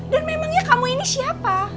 dan memangnya kamu ini siapa